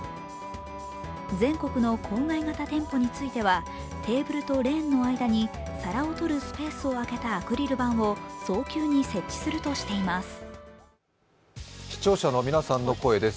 全国の郊外型店舗についてはテーブルとレーンの間に皿を取るスペースをあけたアクリル板を早急に設置するとしています。